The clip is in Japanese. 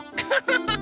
ハハハハ。